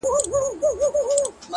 مخامخ وتراشل سوي بت ته گوري”